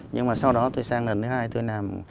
nhưng mà sau đó tôi sang lần thứ hai tôi làm